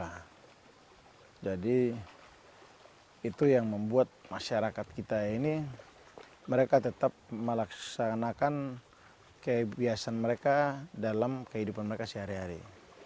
nah jadi itu yang membuat masyarakat kita ini mereka tetap melaksanakan kebiasaan mereka dalam kehidupan mereka sehari hari